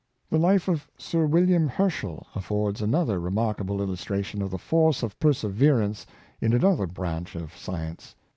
The life of Sir William Herschel affords another re markable illustration of the force of perseverance in another branch of science.